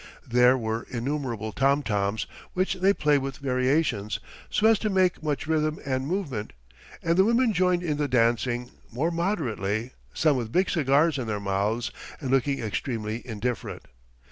There were innumerable tom toms, which they play with variations, so as to make much rhythm and movement, and the women joined in the dancing, more moderately, some with big cigars in their mouths and looking extremely indifferent.